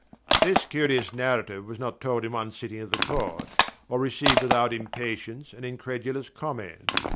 This curious narrative was not told in one sitting of the court, or received without impatience and incredulous comment.